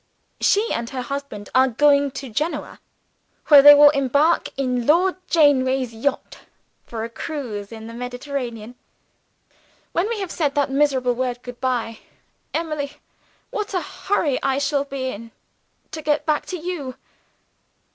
She and her husband are going to Genoa, where they will embark in Lord Janeaway's yacht for a cruise in the Mediterranean. When we have said that miserable word good by oh, Emily, what a hurry I shall be in to get back to you!